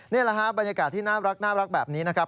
นี่แหละฮะบรรยากาศที่น่ารักแบบนี้นะครับ